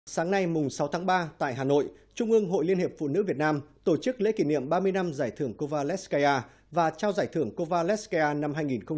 sáng nay mùng sáu tháng ba tại hà nội trung ương hội liên hiệp phụ nữ việt nam tổ chức lễ kỷ niệm ba mươi năm giải thưởng cova leskaya và trao giải thưởng cova leskaya năm hai nghìn một mươi năm